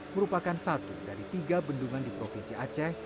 merupakan satu dari tiga bendungan di provinsi aceh